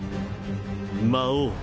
魔王。